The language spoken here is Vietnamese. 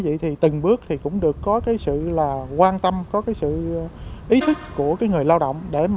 vậy thì từng bước thì cũng được có cái sự là quan tâm có cái sự ý thức của cái người lao động để mà